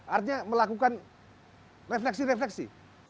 artinya melakukan refleksi refleksi